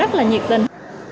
rất là nhiệt tình